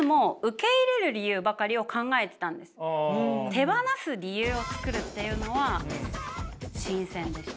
手放す理由を作るっていうのは新鮮でした。